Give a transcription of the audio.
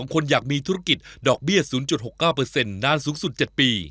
คนอยากมีธุรกิจดอกเบี้ย๐๖๙เปอร์เซ็นต์นานสุขสุด๗ปี